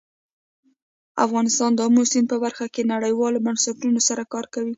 افغانستان د آمو سیند په برخه کې نړیوالو بنسټونو سره کار کوي.